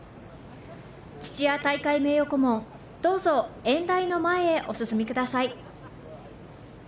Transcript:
土屋大会名誉顧問、どうぞ、演台の前へお進みください。